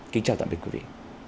kính chào tạm biệt quý vị